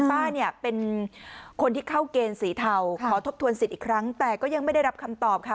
ป้าเนี่ยเป็นคนที่เข้าเกณฑ์สีเทาขอทบทวนสิทธิ์อีกครั้งแต่ก็ยังไม่ได้รับคำตอบค่ะ